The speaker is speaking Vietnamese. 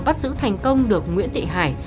bắt giữ thành công được nguyễn thị hải